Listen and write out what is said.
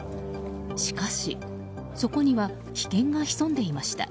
しかし、そこには危険が潜んでいました。